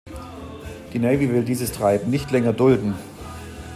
Die Navy will dieses Treiben nicht länger dulden.